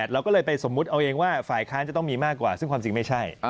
เราก็เลยไปสมมุติเอาเองว่าฝ่ายค้านจะต้องมีมากกว่าซึ่งความจริงไม่ใช่